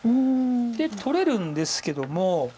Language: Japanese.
で取れるんですけども。